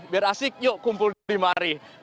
biar asik yuk kumpul dimari